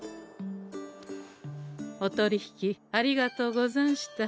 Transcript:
お取り引きありがとうござんした。